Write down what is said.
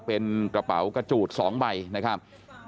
เป็นกระเป๋ากระจูด๒ใบนะครับ